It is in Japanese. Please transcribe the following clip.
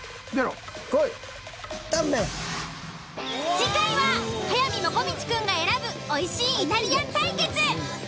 次回は速水もこみちくんが選ぶおいしいイタリアン対決。